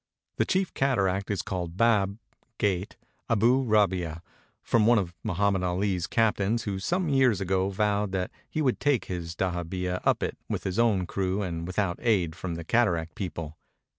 The chief cataract is called "Bab (gate) Aboo Rabbia," from one of Mohammed AU's captains who 261 EGYPT some years ago vowed that he would take his dahabeah up it with his own crew and without aid from the cata ract people.